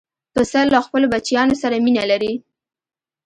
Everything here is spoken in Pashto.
پسه له خپلو بچیانو سره مینه لري.